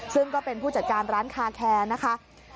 ซึ่งก็เป็นผู้จัดการร้านคาแคร์นะคะ